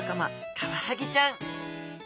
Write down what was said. カワハギちゃん。